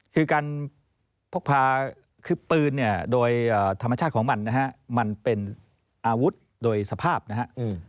คือการพกพาคือปืนเนี่ยโดยธรรมชาติของมันนะฮะมันเป็นอาวุธโดยสภาพนะฮะ